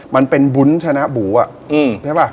มันเป็นวุ้นชนะบูอ่ะใช่ป่ะ